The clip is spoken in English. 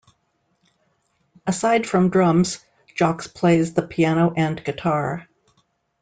Aside from drums, Jocz plays the piano and guitar.